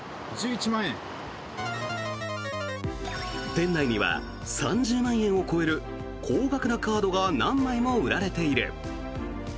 店内には３０万円を超える高額なカードが何枚も売られている。